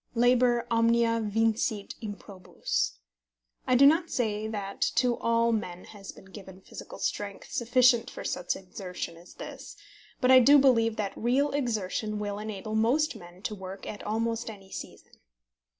Labor omnia vincit improbus. I do not say that to all men has been given physical strength sufficient for such exertion as this, but I do believe that real exertion will enable most men to work at almost any season.